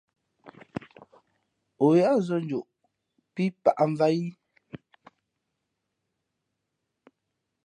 O yát zᾱ njoꞌ pí pǎʼmvāt í ?